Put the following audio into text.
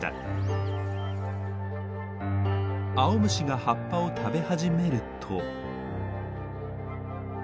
アオムシが葉っぱを食べ始めると。